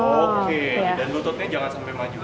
oke dan lututnya jangan sampai maju